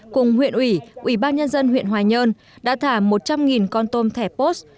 cùng huyện ủy ubnd huyện hòa nhơn đã thả một trăm linh con tôm thẻ post